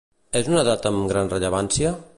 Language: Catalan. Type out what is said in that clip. És una data amb gran rellevància?